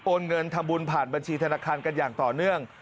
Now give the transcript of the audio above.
เงินทำบุญผ่านบัญชีธนาคารกันอย่างต่อเนื่อง